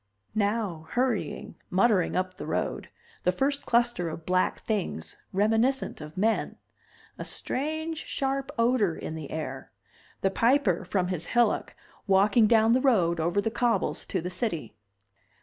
Now, hurrying, muttering up the road, the first cluster of black things reminiscent of men. A strange sharp odor in the air. The Piper, from his hillock, walking down the road, over the cobbles, to the city.